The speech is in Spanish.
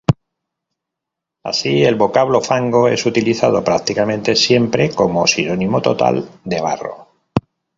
Así, el vocablo fango es utilizado prácticamente siempre como sinónimo total de barro.